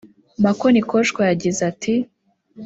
Makonikoshwa yagize ati